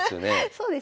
そうですね。